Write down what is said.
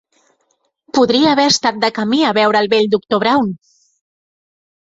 Podria haver estat de camí a veure el vell doctor Brown!